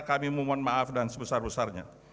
kami memohon maaf dan sebesar besarnya